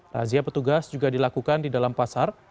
razia petugas juga dilakukan di dalam pasar